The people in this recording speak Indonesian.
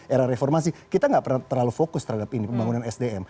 era reformasi kita nggak pernah terlalu fokus terhadap ini pembangunan sdm